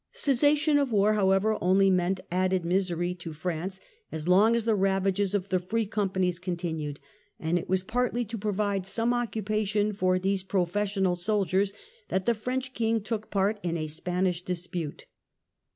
AVar iu Cessation of war, however, only meant added misery to France as long as the ravages of the free companies continued, and it was partly to provide some occupation for these professional soldiers that the French King took part in a Spanish dispute.